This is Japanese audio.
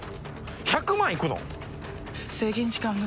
１００万いくの？